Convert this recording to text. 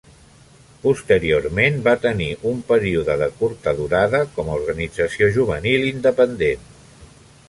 Posteriorment va tenir un període de curta durada com a organització juvenil independent.